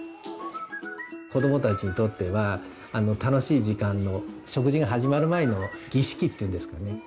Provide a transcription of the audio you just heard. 子どもたちにとっては楽しい時間の食事が始まる前の儀式っていうんですかね。